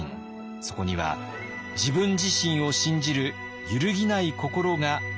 そこには自分自身を信じる揺るぎない心があったのです。